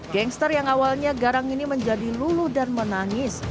gangster yang awalnya garang ini menjadi lulu dan menangis